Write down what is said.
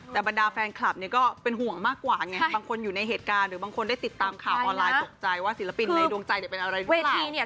แต่บรรดาแฟนคลับเนี่ยก็เป็นห่วงมากกว่าไงบางคนอยู่ในเหตุการณ์หรือบางคนได้ติดตามข่าวออนไลน์ตกใจว่าศิลปินในดวงใจเป็นอะไรหรือเปล่า